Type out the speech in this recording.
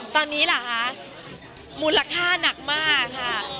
ตอนนี้เหรอคะมูลค่าหนักมากค่ะ